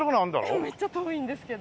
めっちゃ遠いんですけど。